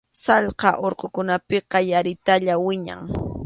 Sallqa urqukunapiqa yaritalla wiñan.